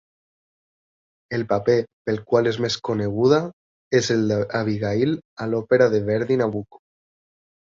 El paper pel qual és més coneguda és el d'Abigail a l'òpera de Verdi Nabucco.